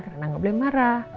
rena gak boleh marah